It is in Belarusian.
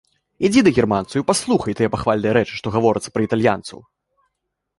Ідзі да германцаў і паслухай тыя пахвальныя рэчы, што гаворацца пра італьянцаў!